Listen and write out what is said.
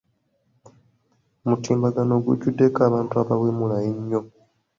Omutimbagano gujjuddeko abantu abawemula ennyo.